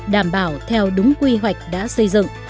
đảm bảo theo đúng quy hoạch đã xây dựng